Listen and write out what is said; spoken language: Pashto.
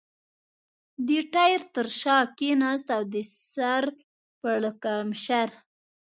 د ټایر تر شا کېناست او د سر پړکمشر.